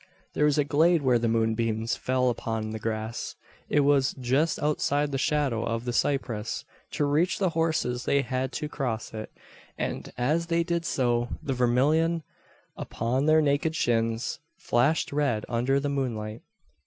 There was a glade where the moon beams fell upon the grass. It was just outside the shadow of the cypress. To reach the horses they had to cross it; and, as they did so, the vermilion upon their naked skins flashed red under the moonlight.